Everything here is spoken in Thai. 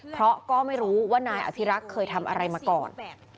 เพราะก็ไม่รู้ว่านายอภิรักษ์เคยทำอะไรมาก่อน